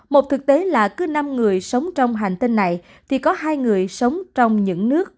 một thực tế là cứ năm người sống trong hành tinh này thì có hai người sống trong những nước